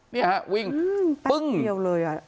เนี่ยครับวิ่งปึ้งแป๊บเดียวเลยอะ